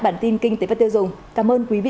bản tin kinh tế và tiêu dùng cảm ơn quý vị